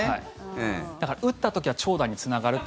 だから、打った時は長打につながると。